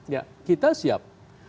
ya kita siap